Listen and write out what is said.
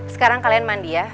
sekarang kalian mandi ya